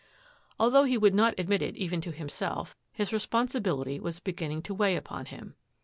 Although he would not admit it even to himself, his responsibility was beginning to weigh upon him.